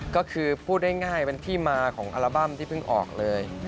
ก็คือพูดง่ายเป็นที่มาของอัลบั้มที่เพิ่งออกเลย